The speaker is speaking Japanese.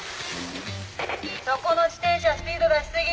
そこの自転車スピード出し過ぎ！